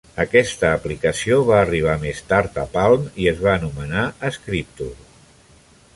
Aquesta aplicació va arribar més tard a Palm i es va anomenar Scripture.